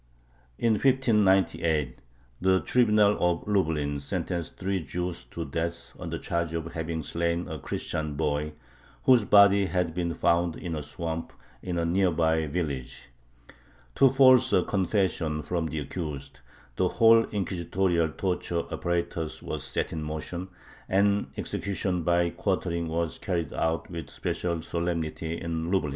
In 1598 the Tribunal of Lublin sentenced three Jews to death on the charge of having slain a Christian boy, whose body had been found in a swamp in a near by village. To force a confession from the accused the whole inquisitorial torture apparatus was set in motion, and execution by quartering was carried out with special solemnity in Lublin.